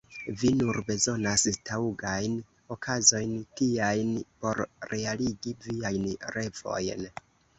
Vi nur bezonas taŭgajn okazojn tiajn, por realigi viajn revojn.